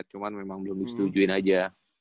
cuman memang belum disetujuin aja